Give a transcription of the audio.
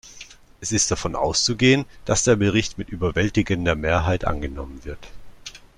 Es ist davon auszugehen, dass der Bericht mit überwältigender Mehrheit angenommen wird.